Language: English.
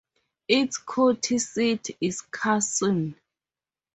Its county seat is Carson.